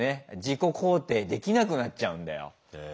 自己肯定できなくなっちゃうんだよ。